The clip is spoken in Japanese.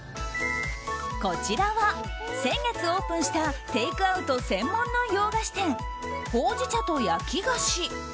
こちらは先月オープンしたテイクアウト専門店の洋菓子店ほうじ茶と焼き菓子。